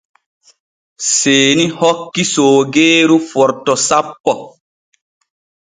Seeni hokki soogeeru forto sappo.